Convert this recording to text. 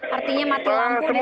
artinya mati lampu di sana